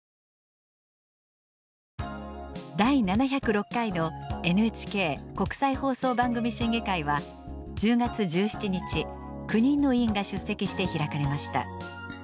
第７０６回のＮＨＫ国際放送番組審議会は１０月１７日９人の委員が出席して開かれました。